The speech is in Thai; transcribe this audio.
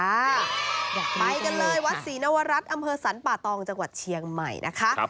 ไปกันเลยวัดศรีนวรัฐอำเภอสรรป่าตองจังหวัดเชียงใหม่นะคะ